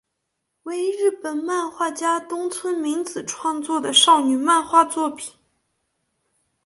为日本漫画家东村明子创作的少女漫画作品。